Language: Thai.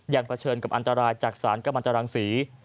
ยังเผชิญกับอันตรายจากสารกรรมตรังสี